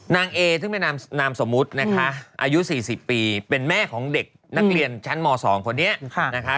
นางเอซึ่งเป็นนามสมมุตินะคะอายุ๔๐ปีเป็นแม่ของเด็กนักเรียนชั้นม๒คนนี้นะคะ